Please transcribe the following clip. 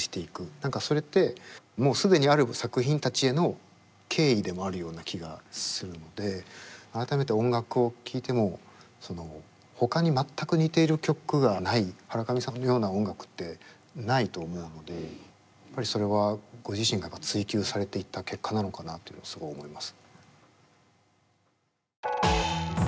何かそれってもう既にある作品たちへの敬意でもあるような気がするので改めて音楽を聴いてもほかに全く似ている曲がないハラカミさんのような音楽ってないと思うのでやっぱりそれはご自身がやっぱ追求されていった結果なのかなっていうのはすごい思います。